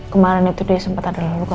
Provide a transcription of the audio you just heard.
kemarin itu dia sempat ada luka